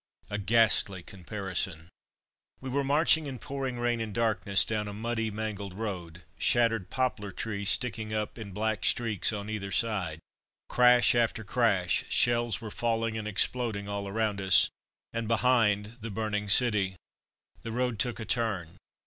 A ghastly comparison. We were marching in pouring rain and darkness down a muddy, mangled road, shattered poplar trees sticking up in black streaks on either side. Crash after crash, shells were falling and exploding all around us, and behind the burning city. The road took a turn.